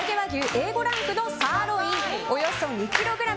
Ａ５ランクサーロインおよそ２ｋｇ。